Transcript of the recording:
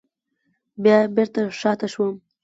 بیا بېرته شاته شوم.